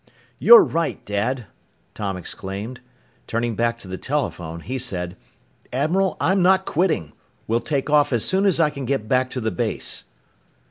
"You're right, Dad!" Tom exclaimed. Turning back to the telephone, he said, "Admiral, I'm not quitting. We'll take off as soon as I can get back to the base!"